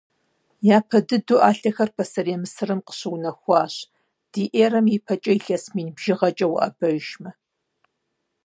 Япэ дыдэу ӏэлъэхэр Пасэрей Мысырым къыщыунэхуащ ди эрэм и пэкӏэ илъэс мин бжыгъэкӏэ уӏэбэжмэ.